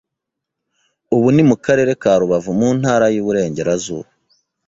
ubu ni mu karere ka Rubavu mu Ntara y’Uburengerazuba